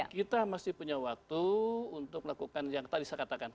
kita masih punya waktu untuk melakukan yang tadi saya katakan